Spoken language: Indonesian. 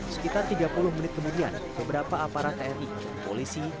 sekitar tiga puluh menit kemudian beberapa aparat tni polisi